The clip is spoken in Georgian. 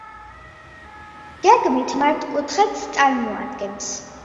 გეგმით მართკუთხედს წარმოადგენს.